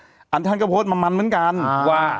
อาจารย์ท่านก็พูดภายวันเหมือนกันว่า